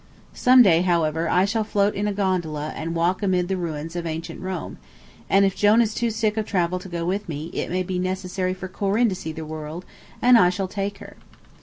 Some day, however, I shall float in a gondola and walk amid the ruins of ancient Rome, and if Jone is too sick of travel to go with me, it may be necessary for Corinne to see the world, and I shall take her.